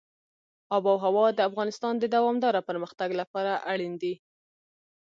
آب وهوا د افغانستان د دوامداره پرمختګ لپاره اړین دي.